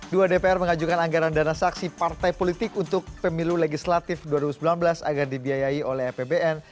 dua dpr mengajukan anggaran dana saksi partai politik untuk pemilu legislatif dua ribu sembilan belas agar dibiayai oleh apbn